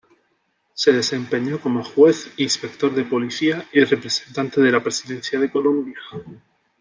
Se desempeñó como Juez, Inspector de Policía y representante de la Presidencia de Colombia.